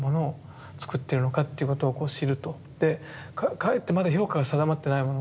かえってまだ評価が定まってないもの